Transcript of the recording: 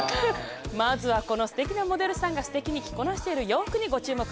まずはこのすてきなモデルさんがすてきに着こなしている洋服にご注目！